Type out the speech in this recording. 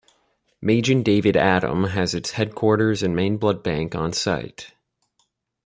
Magen David Adom has its headquarters and main blood bank on site.